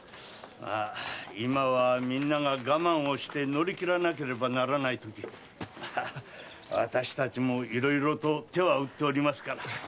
今はみんなが我慢をして乗り切らなければならないとき私たちもいろいろと手は打っておりますから。